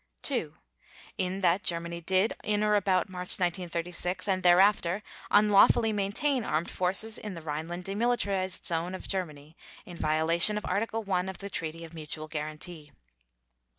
(2) In that Germany did, in or about March 1936, and thereafter, unlawfully maintain armed forces in the Rhineland demilitarized zone of Germany, in violation of Article 1 of the Treaty of Mutual Guarantee.